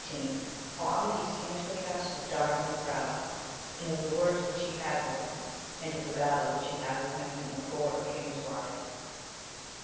— How Amadis came to the castle of Dardan the Proud, and of the words which he liad with him, and of the battle which he had with him in the court of King Lisuarte.